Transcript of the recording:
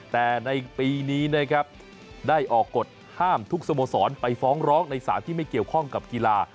แต่ในปีนี้นะครับได้ออกกฎห้ามทุกสโมสรไปฟ้องร้องในสารที่ไม่เกี่ยวข้องกับกีฬา